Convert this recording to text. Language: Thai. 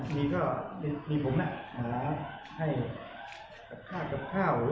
มีผมเนี้ยอาหารก็กับคราวกับคร่าวหรือ